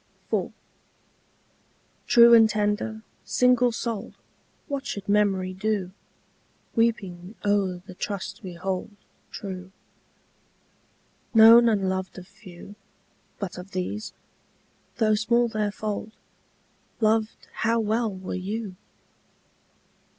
IV. True and tender, single souled, What should memory do Weeping o'er the trust we hold True? Known and loved of few, But of these, though small their fold, Loved how well were you!